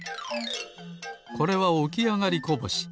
これはおきあがりこぼし。